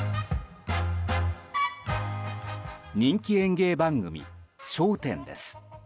人気演芸番組「笑点」です。